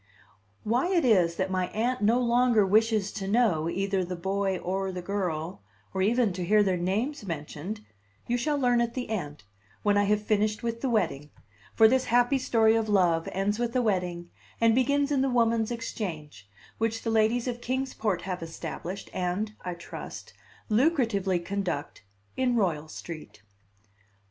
Why it is that my Aunt no longer wishes to know either the boy or the girl, or even to hear their names mentioned, you shall learn at the end, when I have finished with the wedding; for this happy story of love ends with a wedding, and begins in the Woman's Exchange, which the ladies of Kings Port have established, and (I trust) lucratively conduct, in Royal Street.